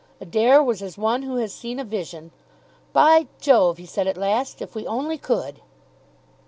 Adair was as one who has seen a vision. "By Jove," he said at last, "if we only could!"